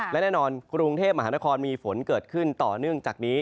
และแน่นอนกรุงเทพมหานครมีฝนเกิดขึ้นต่อเนื่องจากนี้